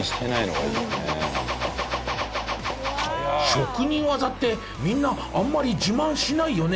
職人技ってみんなあんまり自慢しないよね。